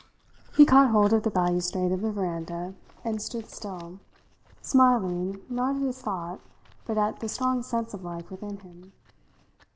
He caught hold of the balustrade of the veranda and stood still, smiling not at his thought but at the strong sense of life within him.